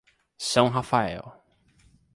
São Rafael